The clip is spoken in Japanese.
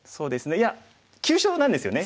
いや急所なんですよね。